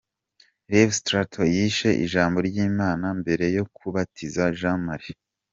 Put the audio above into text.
Rev Straton yigisha ijambo ry'Imana mbere yo kubatiza Jean Marie.